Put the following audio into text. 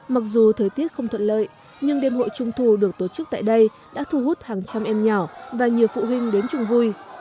mặc dù thời tiết không thuận lợi nhưng đêm hội trung thu được tổ chức tại đây đã thu hút hàng trăm em nhỏ và nhiều phụ huynh đến chung vui